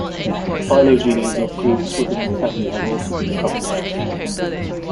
Phylogenies of groups within the family have also been published.